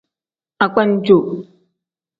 Agbanjo.